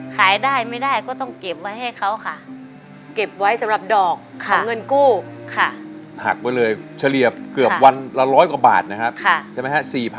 เก็บไว้สำหรับดอกของเงินกู้ค่ะหักไว้เลยเฉลี่ยเกือบวันละ๑๐๐กว่าบาทนะครับใช่ไหมฮะ